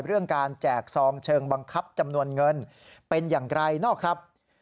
เรื่องการแจกซองเชิงบังคับจำนวนเงินเป็นอย่างไรนอกครับ